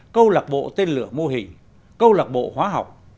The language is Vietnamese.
câu lạc bộ tên lửa mô hình câu lạc bộ hóa học